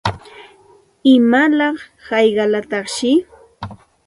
¿Imalaq hayqalataqshi?